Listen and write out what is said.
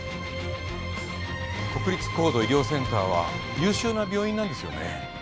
国立高度医療センターは優秀な病院なんですよね？